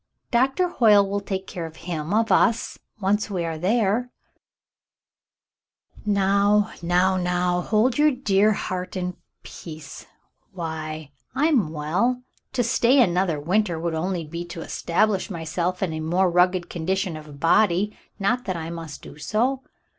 Doctor Hoyle will take care of him — of us — once we are there." David takes Hoyle to Canada 211 Now, now, now ! hold your dear heart in peace. Why, I'm well. To stay another winter would only be to es tablish myself in a more rugged condition of body — not that I must do so.